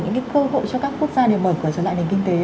những cái cơ hội cho các quốc gia để mở cửa trở lại nền kinh tế